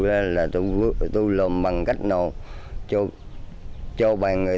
và là số một trong số nông thôn mới